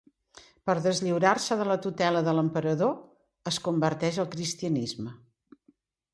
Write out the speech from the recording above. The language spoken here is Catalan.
Per deslliurar-se de la tutela de l'emperador, es converteix al cristianisme.